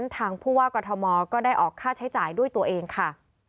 ทางผู้ว่ากรทมก็ได้ออกค่าใช้จ่ายด้วยตัวเองค่ะ